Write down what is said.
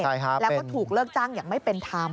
แล้วก็ถูกเลิกจ้างอย่างไม่เป็นธรรม